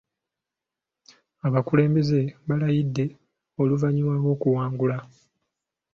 Abakulembeze baalayidde oluvannyuma lw'okuwangula.